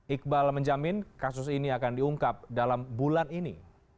iqbal menjamin kasus ini akan diungkap dalam bulan ini